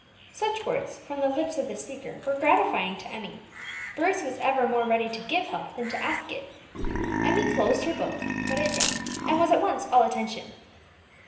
Such words from the lips of the speaker were gratifying to Emmie; Bruce was ever more ready to give help than to ask it. Emmie closed her book, put it down, and was at once all attention.